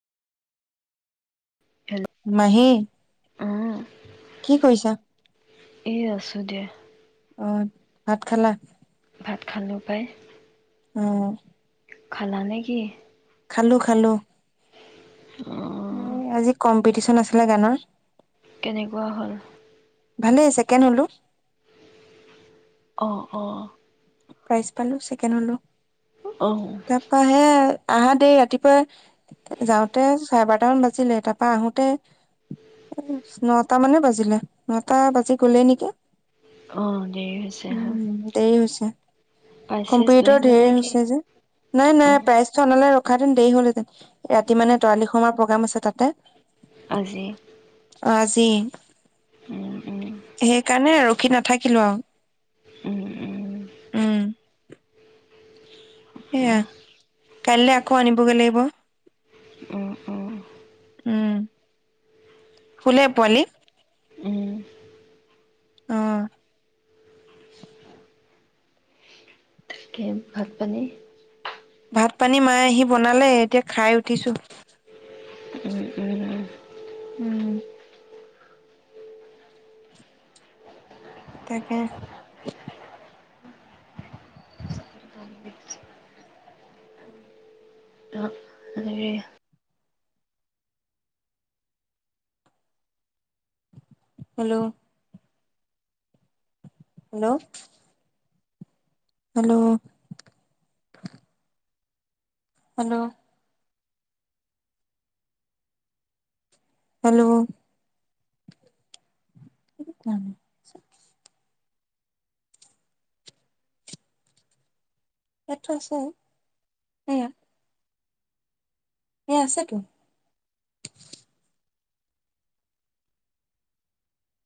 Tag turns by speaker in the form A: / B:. A: মাহী?
B: অ'।
A: কি কৰিছা?
B: এ আছো দিয়া।
A: অ', ভাত খালা?
B: ভাত খালো পায়।
A: অ'।
B: খালা নেকি?
A: খালোঁ খালোঁ। উ
B: অঁ
A: আজি কম্পিটিশন আছিলে গানৰ।
B: কেনেকুৱা হ'ল?
A: ভালে হৈছে। ছেকেণ্ড হলো।
B: অ', অ।
A: প্ৰাইজ পালো, ছেকেণ্ড হলো।
B: অঁ
A: তাৰ পাহে আহা দেই ৰাতিপুৱা যাওঁতে চাৰে বাৰটামান বাজিলে, তাৰ পৰাা আহোতে নটা মানে বাজিলে, নটা বাজি গ'লে নেকি।
B: অ', দেৰি হৈছে হা,
A: উম দেৰি হৈছে
B: প্ৰাইজ, চাইজ লৈ
A: কম্পিউটাৰ
B: আহিলা
A: ধেৰ
B: নেকি?
A: হৈছে যে নাই, নাই প্ৰাইজটো আনা ৰখাহেঁতেন দেৰি হ'ল‌ হেঁতেন। ৰাতি মানে তৰালি শৰ্মাৰ প্ৰগ্ৰাম আছে। তাতে
B: আজি।
A: অ', আজি।
B: উম উম
A: সেইকাৰণে আৰু কি নাথাকিলো আৰু
B: উম, উম।
A: উম। সেয়া
B: অঁ
A: কাইলে আকৌ আনিবগৈ লাগিব। উম,
B: উম উম
A: শুলে পোৱালি?
B: উম
A: অ'।
B: তাকে ভাত, পানী
A: ভাত, পানী মায়ে আহি বনালে, এতিয়া খাই উঠিছোঁ।
B: উম উম
A: উম। তাকে।
B: অঁ হেৰি
A: hello! Hello! Hello! Hello! Hello! [unintelligible] ইয়াতো আছে এইয়া এ আছেটো